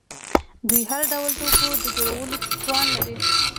دوی د هر ډول توکو د جوړولو توان لري.